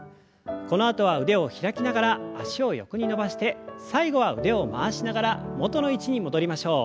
このあとは腕を開きながら脚を横に伸ばして最後は腕を回しながら元の位置に戻りましょう。